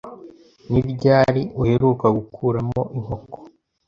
Ni ryari uheruka gukuramo inkoko?